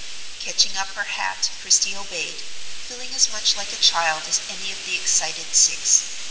Catching up her hat Christie obeyed, feeling as much like a child as any of the excited six.